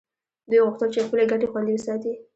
دوی غوښتل چې خپلې ګټې خوندي وساتي